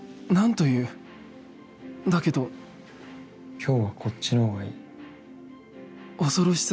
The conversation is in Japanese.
今日はこっちの方がいい。